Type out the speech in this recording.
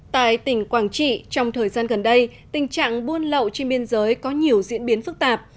tại tỉnh quảng trị trong thời gian gần đây tình trạng buôn lậu trên biên giới có nhiều diễn biến phức tạp